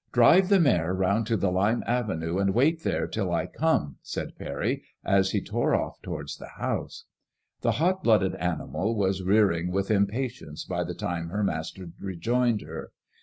" Drive the mare round to the ifADJ£M01S£LLB IXB. IO7 lime avenue, and wait there till I come/' said Parry, as he tore o£f towards the house. The hot blooded animal was rearing with impatience by the time her master rejoined her.